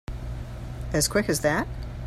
As quick as that?